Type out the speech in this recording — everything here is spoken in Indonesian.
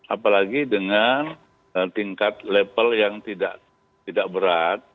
apalagi dengan tingkat level yang tidak berat